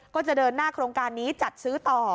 ก็จะเดินหน้าโครงการนี้จัดซื้อต่อ